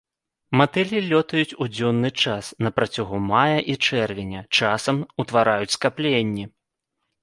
Матылі лётаюць у дзённы час на працягу мая і чэрвеня, часам утвараюць скапленні.